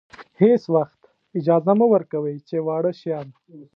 هېڅ وخت اجازه مه ورکوئ چې واړه شیان.